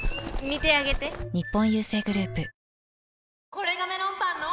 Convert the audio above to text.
これがメロンパンの！